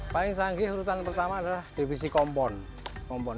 paling canggih urutan pertama adalah divisi kompon